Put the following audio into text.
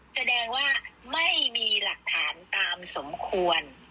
แสดงว่าไม่มีหลักฐานตามสมควร